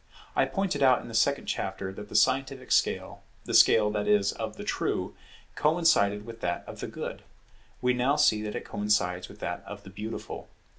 I pointed out in the second chapter that the scientific scale, the scale, that is, of the True, coincided with that of the Good: we now see that it coincides with that of the Beautiful.